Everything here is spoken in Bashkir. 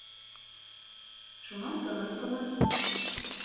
Шунан тыныс ҡына: